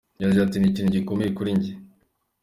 Yagize ati “Ni ikintu gikomeye kuri njye.